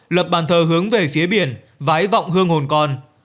lập bàn thờ hướng về phía biển vái vọng hương hồn con